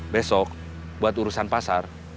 besok buat urusan pasar